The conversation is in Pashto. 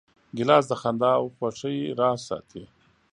ګیلاس د خندا او خوښۍ راز ساتي.